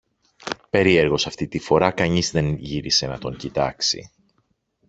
Περιέργως αυτή τη φορά κανείς δεν γύρισε να τον κοιτάξει.